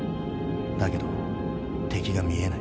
だけど敵が見えない。